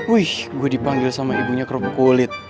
wish gue dipanggil sama ibunya kerupuk kulit